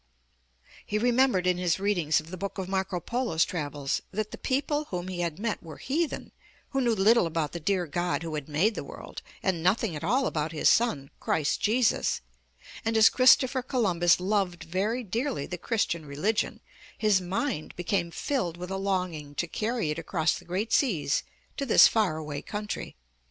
He remembered in his readings of the book of Marco Polo's travels, that the people whom he had met were heathen, who knew little about the dear God who had made the world, and nothing at all about His son, Christ Jesus, and as Christopher Columbus loved very dearly the Christian religion, his mind became filled with a longing to carry it across the great seas to this far away country.